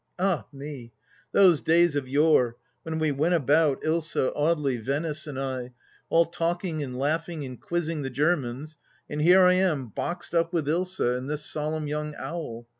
Ah me I Those days of yore, when we went about, Ilsa, Audely, Venice, and I, all talking and laughing and quizzing the Germans, and here I am boxed up with Ilsa and this solemn young owl